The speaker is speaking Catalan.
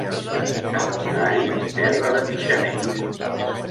Sant Hilari, terra de pixaners.